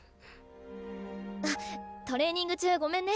あっトレーニング中ごめんね。